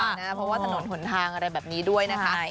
เพราะว่าถนนหนทางอะไรแบบนี้ด้วยนะคะ